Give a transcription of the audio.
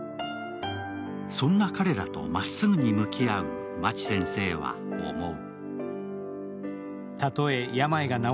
そんな彼らとまっすぐに向き合うマチ先生は思う。